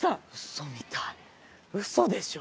嘘みたい嘘でしょ？